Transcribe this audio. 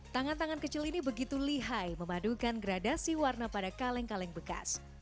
tangan tangan kecil ini begitu lihai memadukan gradasi warna pada kaleng kaleng bekas